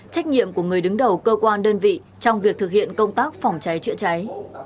trách nhiệm của người đứng đầu cơ quan đơn vị trong việc thực hiện công tác phòng cháy chữa cháy